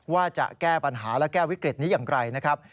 ว่าจะแก้ปัญหาและแก้วิกฤตนี้อย่างไรนะครับ